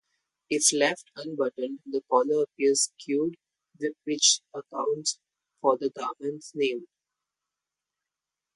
If left unbuttoned the collar appears skewed, which accounts for the garment's name.